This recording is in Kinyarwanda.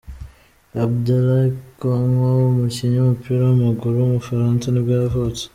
Abdoulay Konko, umukinnyi w’umupira w’amaguru w’umufaransa nibwo yavutse.